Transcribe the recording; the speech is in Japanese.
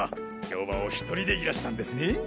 今日はお１人でいらしたんですね？